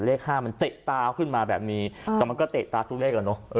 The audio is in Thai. เลขห้ามันเตะตาเขาขึ้นมาแบบนี้เออแล้วมันก็เตะตาทุกเลขอ่ะเนอะ